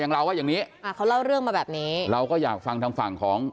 เราว่าอย่างนี้อ่าเขาเล่าเรื่องมาแบบนี้เราก็อยากฟังทางฝั่งของ